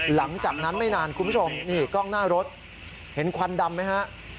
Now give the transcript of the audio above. หลังจากนั้นไม่นานคุณผู้ชมนี่กล้องหน้ารถเห็นควันดำไหมฮะ